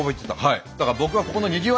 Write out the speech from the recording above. はい。